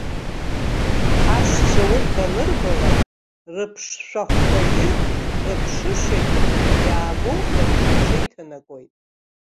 Ҳашьцәа урҭ анырбалак рыԥшшәахәқәагьы, рыԥшышьагьы иаагәоуҭартә аҽеиҭанакуеит.